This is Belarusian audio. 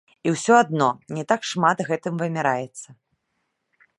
І ўсё адно, не так шмат гэтым вымяраецца.